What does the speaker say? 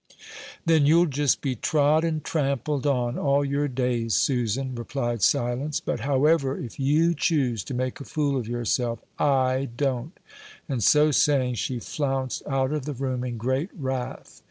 "Then you'll just be trod and trampled on all your days, Susan," replied Silence; "but, however, if you choose to make a fool of yourself, I don't;" and so saying, she flounced out of the room in great wrath.